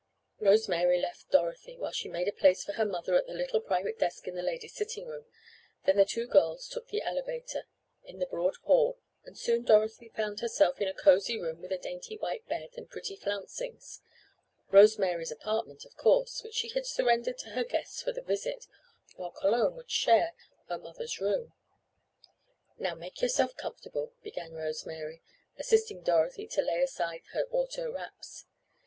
Rose Mary left Dorothy while she made a place for her mother at the little private desk in the ladies' sitting room, then the two girls took the elevator, in the broad hall, and soon Dorothy found herself in a cozy room, with a dainty white bed, and pretty flouncings—Rose Mary's apartment of course, which she had surrendered to her guest for the visit, while Cologne would share her mother's room. "Now make yourself comfortable," began Rose Mary, assisting Dorothy to lay aside her auto wraps.